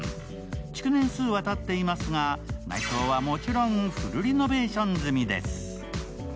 築年数はたっていますが、内装はもちろんフルリノベーション済みです。